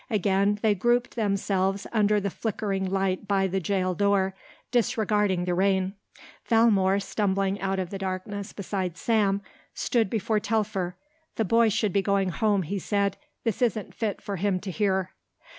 Again they grouped themselves under the flickering light by the jail door, disregarding the rain. Valmore, stumbling out of the darkness beside Sam, stood before Telfer. "The boy should be going home," he said; "this isn't fit for him to hear."